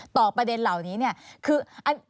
ประเด็นเหล่านี้เนี่ยคือ